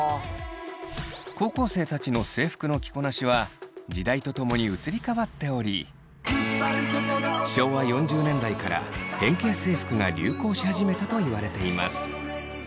高校生たちの制服の着こなしは時代とともに移り変わっており昭和４０年代から変形制服が流行し始めたといわれています。